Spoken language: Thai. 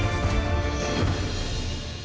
โปรดติดตามตอนต่อไป